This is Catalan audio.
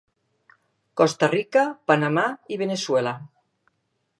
Costa Rica, Panamà i Veneçuela.